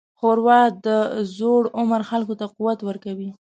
ښوروا د زوړ عمر خلکو ته قوت ورکوي.